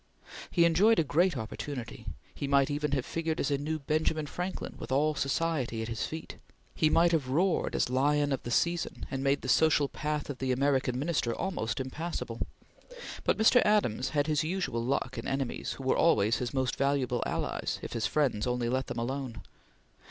He enjoyed a great opportunity; he might even have figured as a new Benjamin Franklin with all society at his feet; he might have roared as lion of the season and made the social path of the American Minister almost impassable; but Mr. Adams had his usual luck in enemies, who were always his most valuable allies if his friends only let them alone.